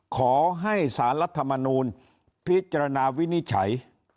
ขอให้สารรัฐมนูลพิจารณาวินิจฉัย